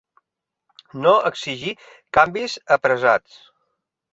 No exigir canvis apressats.